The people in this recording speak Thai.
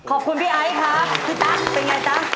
ขอบคุณพี่ไอ้ค่ะพี่ตั๊กเป็นอย่างไรตั๊ก